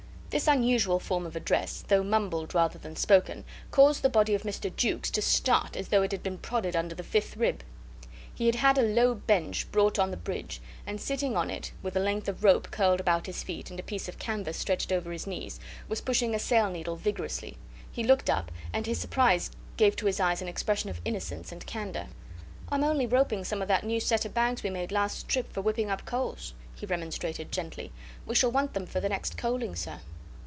This unusual form of address, though mumbled rather than spoken, caused the body of Mr. Jukes to start as though it had been prodded under the fifth rib. He had had a low bench brought on the bridge, and sitting on it, with a length of rope curled about his feet and a piece of canvas stretched over his knees, was pushing a sail needle vigorously. He looked up, and his surprise gave to his eyes an expression of innocence and candour. "I am only roping some of that new set of bags we made last trip for whipping up coals," he remonstrated, gently. "We shall want them for the next coaling, sir."